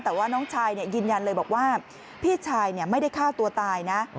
แต่ว่าน้องชายยืนยันเลยบอกว่าพี่ชายไม่ได้ฆ่าตัวตายนะ